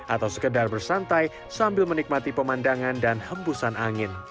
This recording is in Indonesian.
atau sekedar bersantai sambil menikmati pemandangan dan hembusan angin